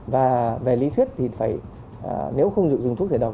và về lý thuyết thì phải nếu không dùng thuốc giải độc